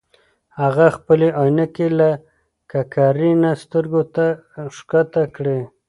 هغه خپلې عینکې له ککرۍ نه سترګو ته ښکته کړې.